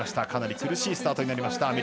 かなり苦しいスタートになりました。